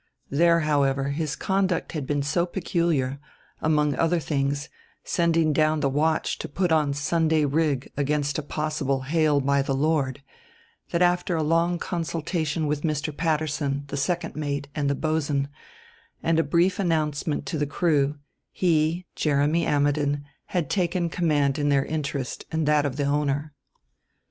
There, however, his conduct had been so peculiar among other things sending down the watch to put on Sunday rig against a possible hail by the Lord that, after a long consultation with Mr. Patterson, the second mate and the boatswain, and a brief announcement to the crew, he, Jeremy Ammidon, had taken command in their interest and that of the owner.